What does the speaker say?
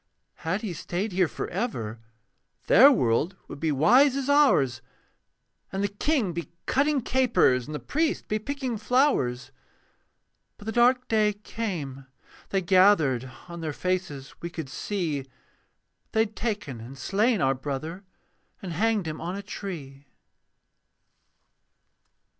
Had he stayed here for ever, Their world would be wise as ours And the king be cutting capers, And the priest be picking flowers. But the dark day came: they gathered: On their faces we could see They had taken and slain our brother, And hanged him on a tree.